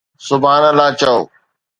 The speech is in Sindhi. سبحان الله چئو